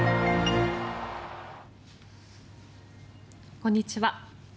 こんにちは。